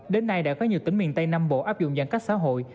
đến nay đã có nhiều tỉnh miền tây nam bộ áp dụng giãn cách xã hội